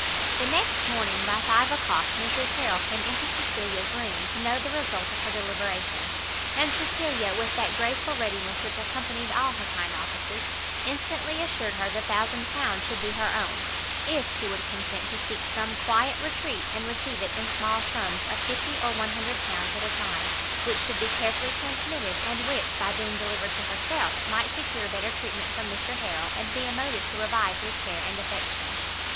The next morning by five o'clock Mrs Harrel came into Cecilia's room to know the result of her deliberation; and Cecilia, with that graceful readiness which accompanied all her kind offices, instantly assured her the thousand pound should be her own, if she would consent to seek some quiet retreat, and receive it in small sums, of fifty or one hundred pounds at a time, which should be carefully transmitted, and which, by being delivered to herself, might secure better treatment from Mr Harrel, and be a motive to revive his care and affection.